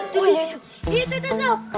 drone nya di atas bawah sob